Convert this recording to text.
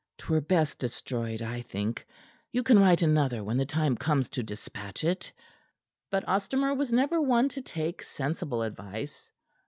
"'Twere best destroyed, I think. You can write another when the time comes to dispatch it." But Ostermore was never one to take sensible advice.